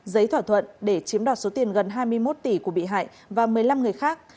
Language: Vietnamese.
giấy thỏa thuận để chiếm đoạt số tiền gần hai mươi một tỷ của bị hại và một mươi năm người khác